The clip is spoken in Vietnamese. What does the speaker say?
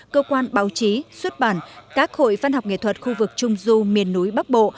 cơ quan báo chí xuất bản các hội văn học nghệ thuật khu vực trung du miền núi bắc bộ